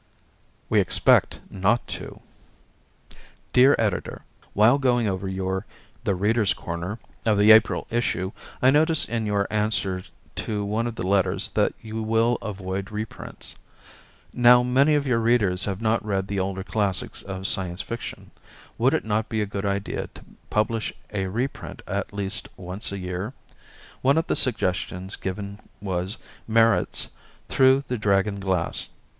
We Expect Not To Dear Editor: While going over your "The Readers' Corner" of the April issue, I noticed in your answer to one of the letters that you will avoid reprints. Now many of your readers have not read the older classics of Science Fiction. Would it not be a good idea to publish a reprint at least once a year? One of the suggestions given was Merritt's "Through the Dragon Glass."